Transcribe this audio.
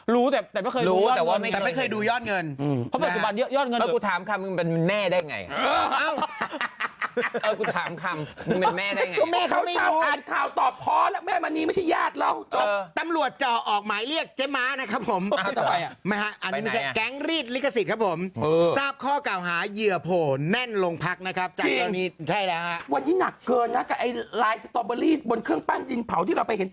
รู้แต่ไม่เคยรู้ยอดเงิน